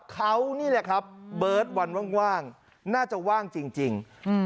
เขานี่แหละครับเบิร์ตวันว่างน่าจะว่างจริง